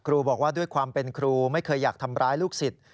บอกว่าด้วยความเป็นครูไม่เคยอยากทำร้ายลูกศิษย์